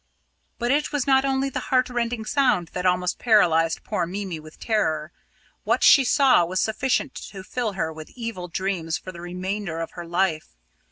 But it was not only the heart rending sound that almost paralysed poor Mimi with terror. What she saw was sufficient to fill her with evil dreams for the remainder of her life.